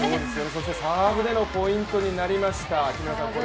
そしてサーブでのポイントになりました。